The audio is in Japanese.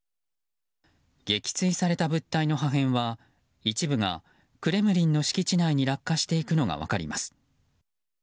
撃墜された物体の破片は一部がクレムリンの敷地内に落下していくのが分かります。